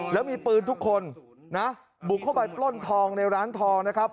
แล้วมีปืนทุกคนนะบุกเข้าไปปล้นทองในร้านทองนะครับ